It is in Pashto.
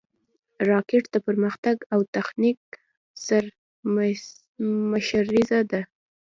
راکټ د پرمختګ او تخنیک سرمشریزه ده